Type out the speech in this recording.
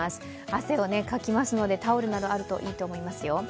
汗をかきますので、タオルなどあるといいと思いますよ。